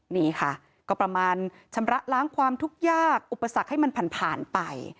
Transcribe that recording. นี่ค่ะก็ประมาณชำระล้างความทุกข์ยากอุปสรรคให้มันผ่านไป